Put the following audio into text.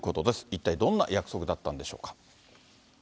一体どんな約束だったんでしょうか。